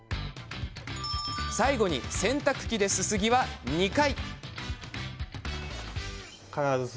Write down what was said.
最後に洗濯機で、すすぎは２回。